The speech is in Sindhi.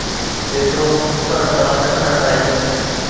جيترو اتر کان ڏکڻ تائين.